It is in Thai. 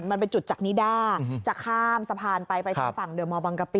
มันเป็นจุดจากนิด้าจะข้ามสะพานไปไปทางฝั่งเดอร์มอลบางกะปิ